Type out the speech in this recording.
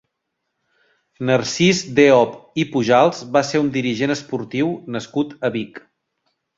Narcís Deop i Pujals va ser un dirigent esportiu nascut a Vic.